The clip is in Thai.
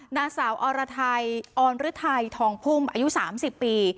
นางสาวอรไทยออนฤทัยทองพุ่มอายุ๓๐ปี